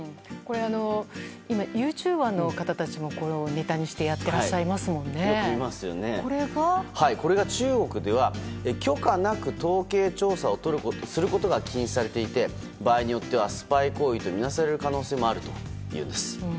今ユーチューバーの方たちもネタにしてやっていらっしゃいますがこれが？これが中国では許可なく統計調査をすることが禁止されていて、場合によってはスパイ行為とみなされる可能性もあると。